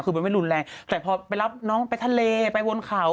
คือมันไม่รุนแรงแต่พอไปรับน้องไปทะเลไปวนเขา